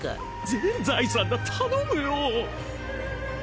全財産だ頼むよ。